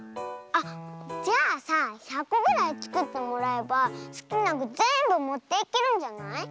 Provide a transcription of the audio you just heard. あっじゃあさ１００こぐらいつくってもらえばすきなぐぜんぶもっていけるんじゃない？